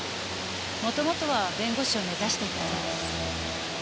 元々は弁護士を目指していたそうです。